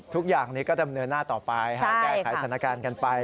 ทุกอย่างนี้ก็ดำเนินหน้าต่อไปแก้ไขสถานการณ์กันไป